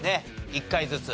１回ずつ。